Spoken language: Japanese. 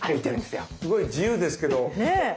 すごい自由ですけど。ね。